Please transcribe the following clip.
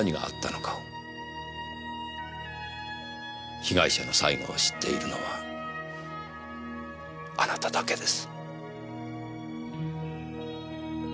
被害者の最期を知っているのはあなただけです。